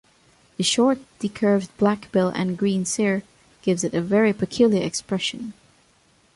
The short, decurved black bill and green cere gives it a very peculiar expression.